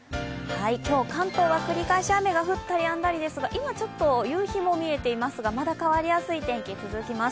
今日、関東は繰り返し雨が降ったりやんだりですが今ちょっと夕日も見えていますが、まだ変わりやすい天気、続きます。